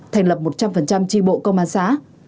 thành lập một trăm linh tri bộ công an xã